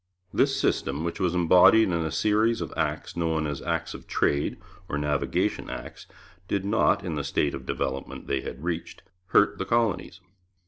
This system, which was embodied in a series of Acts known as Acts of Trade, or Navigation Acts, did not, in the state of development they had reached, hurt the colonies.